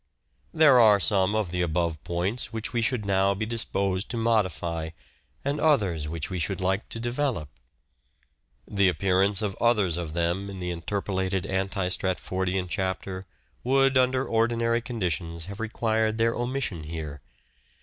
There are some of the above points which we should now be disposed to modify and others which we should like to develop. The appearance of others of them in the interpolated anti Stratfordian chapter would under ordinary conditions have required their omission here.